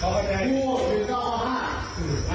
ว่าทางกันฮะ